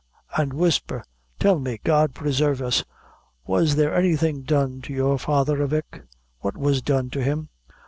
"An' whisper tell me God presarve us! was there anything done to your father, avick? What was done to him?"